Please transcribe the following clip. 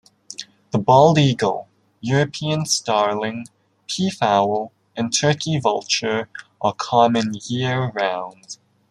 The bald eagle, European starling, peafowl and turkey vulture are common year round.